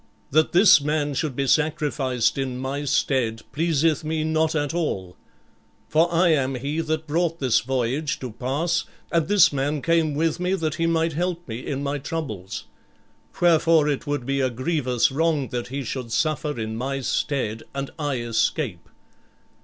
That this man should be sacrificed in my stead pleaseth me not at all. For I am he that brought this voyage to pass; and this man came with me that he might help me in my troubles. Wherefore it would be a grievous wrong that he should suffer in my stead and I escape.